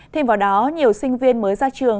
thêm vào đó nhiều sinh viên mới ra trường